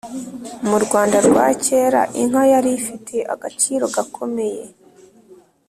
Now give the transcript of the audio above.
mu rwanda rwa cyera inka yari ifite agaciro gakomeye.